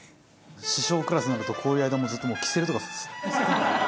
師匠クラスになるとこういう間もずっともうキセルとか吸って。